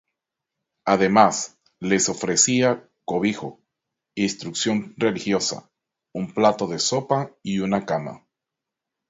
Además, les ofrecía cobijo, instrucción religiosa, un plato de sopa y una cama.